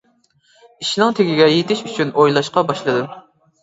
ئىشنىڭ تېگىگە يېتىش ئۈچۈن ئويلاشقا باشلىدىم.